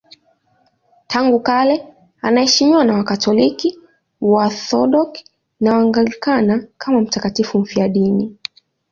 Tangu kale anaheshimiwa na Wakatoliki, Waorthodoksi na Waanglikana kama mtakatifu mfiadini.